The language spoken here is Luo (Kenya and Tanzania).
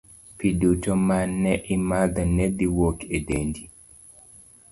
Pi duto ma ne imadho ne dhi wuok e dendi.